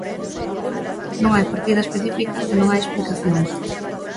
Non hai partida específica e non hai explicación.